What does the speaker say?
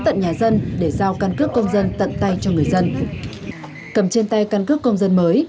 tận nhà dân để giao căn cước công dân tận tay cho người dân cầm trên tay căn cước công dân mới